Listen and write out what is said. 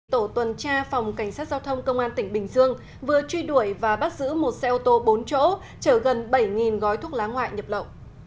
tổ tuần tra phòng cảnh sát giao thông công an tỉnh bình dương vừa truy đuổi và bắt giữ một xe ô tô bốn chỗ chở gần bảy gói thuốc lá ngoại nhập lậu